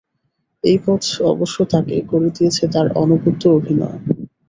এই পথ অবশ্য তাঁকে করে দিয়েছে তাঁর অনবদ্য অভিনয়।